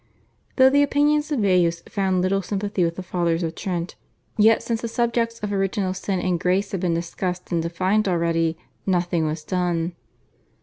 Though the opinions of Baius found little sympathy with the Fathers of Trent, yet since the subjects of Original Sin and Grace had been discussed and defined already, nothing was done.